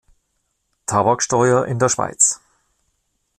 Tabaksteuer in der Schweiz